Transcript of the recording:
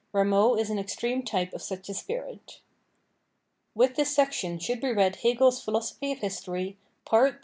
Rameau is an extreme type of such a spirit. With this section should be read Hegel's Philosophy of History^ Pt.